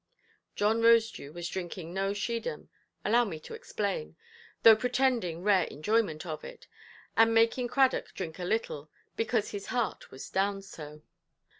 John Rosedew was drinking no Schiedam—allow me to explain—though pretending rare enjoyment of it, and making Cradock drink a little, because his heart was down so.